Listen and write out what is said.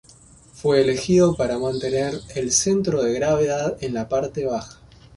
Fue elegido para mantener el centro de gravedad en la parte baja.